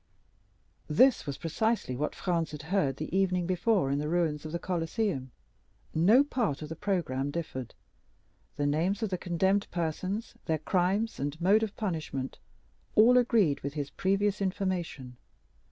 '" This was precisely what Franz had heard the evening before in the ruins of the Colosseum. No part of the programme differed,—the names of the condemned persons, their crimes, and mode of punishment, all agreed with his previous information.